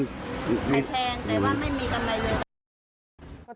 ไข่แพงแต่ว่าไม่มีกันใดเลย